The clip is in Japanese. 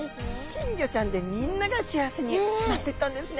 金魚ちゃんでみんなが幸せになってったんですね。